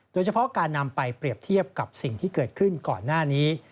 โดยเฉพาะการนำไปเปรียบเทียบกับสิ่งที่เกิดขึ้นก่อนหน้านี้